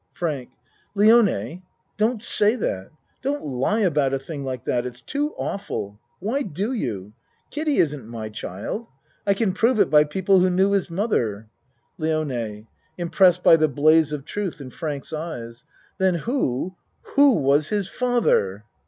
FRANK Lione, don't say that. Don't lie about a thing like that it's too awful. Why do you? Kiddie isn't my child. I can prove it by people who knew his mother. LIONE (Impressed by the blaze of truth in Frank's eyes.) Then who who was his father?